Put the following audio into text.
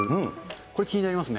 これ、気になりますね。